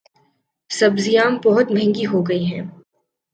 سبزیاں بہت مہنگی ہوگئی ہیں